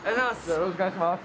よろしくお願いします。